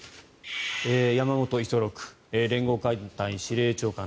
山本五十六連合艦隊司令長官。